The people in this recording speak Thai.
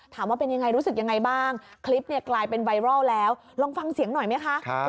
ว่าเป็นยังไงรู้สึกยังไงบ้างคลิปเนี่ยกลายเป็นไวรัลแล้วลองฟังเสียงหน่อยไหมคะ